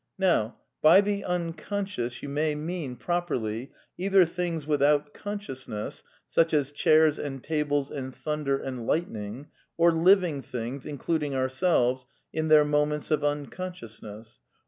Now, by the Unconscious you may mean, properly, either things without consciousness, such as chairs and tables, and thunder and lightning ; or living things, includ 1 ing ourselves, in their moments of unconsciousness.